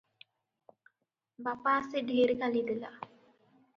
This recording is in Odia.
ବାପା ଆସି ଢେର ଗାଳିଦେଲା ।"